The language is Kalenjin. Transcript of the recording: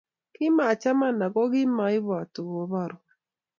Kimachaman aku kimaiboti koborwon